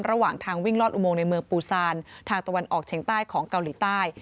ระหว่างทางวิ่งลอดอุโมงในเมืองปูซานทางตะวันออกเฉียงใต้ของเกาหลีใต้